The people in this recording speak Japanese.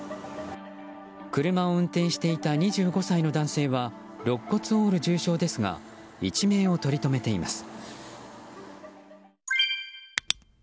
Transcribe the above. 車を運転していた２５歳の男性はろっ骨を折る重傷ですが一命をとりとめています。